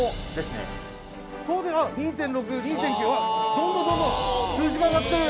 どんどんどんどん数字が上がってる！